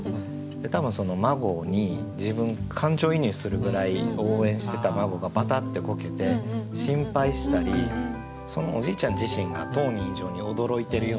多分孫に自分感情移入するぐらい応援してた孫がバタッてこけて心配したりそのおじいちゃん自身が当人以上に驚いてるような。